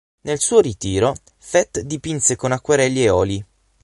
Nel suo ritiro, Fett dipinse con acquerelli e oli.